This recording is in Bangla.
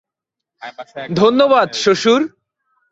ধন্যবাদ, শ্বশুর।